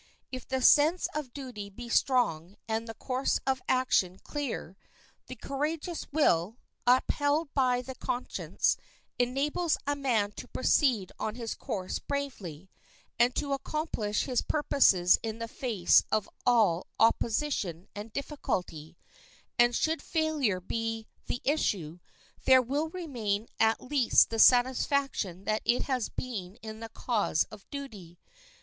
If the sense of duty be strong and the course of action clear, the courageous will, upheld by the conscience, enables a man to proceed on his course bravely, and to accomplish his purposes in the face of all opposition and difficulty; and should failure be the issue, there will remain at least the satisfaction that it has been in the cause of duty.